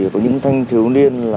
có những thanh thiếu niên